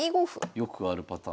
よくあるパターン。